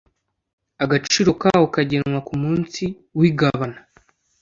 Agaciro kawo kagenwa ku munsi w igabana